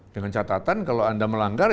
dengan catatan kalau anda melanggar